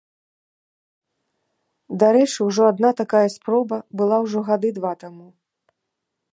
Дарэчы, ужо адна такая спроба была ўжо гады два таму.